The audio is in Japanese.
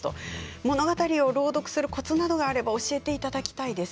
物語の朗読するコツなどあれば教えていただきたいです。